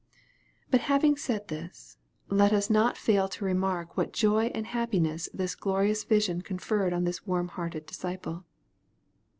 But having said this, let us not fail to remark what joy and happiness this glorious vision conferred on this warm hearted disciple.